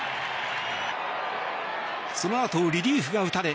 そのあと、リリーフが打たれ